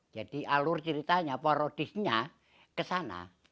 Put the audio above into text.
jadi alur ceritanya parodisnya kesana